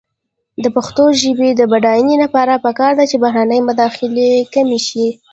د پښتو ژبې د بډاینې لپاره پکار ده چې بهرنۍ مداخلې کمې شي.